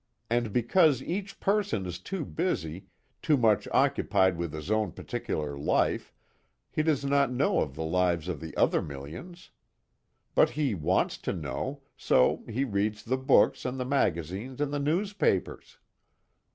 And because each person is too busy too much occupied with his own particular life, he does not know of the lives of the other millions. But he wants to know so he reads the books and the magazines, and the newspapers."